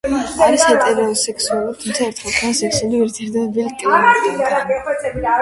არის ჰეტეროსექსუალი, თუმცა, ერთხელ ჰქონდა სექსუალური ურთიერთობა ბილ კლინტონთან.